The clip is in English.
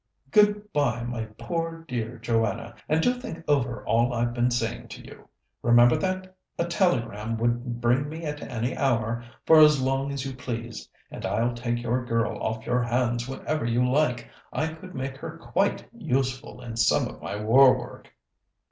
"Good bye, my poor dear Joanna, and do think over all I've been saying to you. Remember that a telegram would bring me at any hour, for as long as you please, and I'll take your girl off your hands whenever you like. I could make her quite useful in some of my war work."